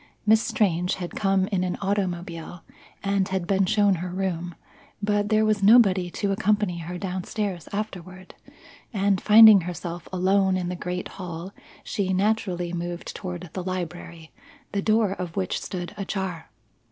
Miss Strange had come in an automobile and had been shown her room; but there was nobody to accompany her down stairs afterward, and, finding herself alone in the great hall, she naturally moved toward the library, the door of which stood ajar.